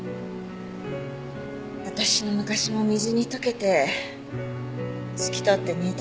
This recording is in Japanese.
私の昔も水に溶けて透き通って見えたらいいのに。